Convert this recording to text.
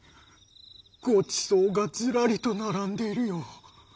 ごちそうがずらりと並んでいるよ。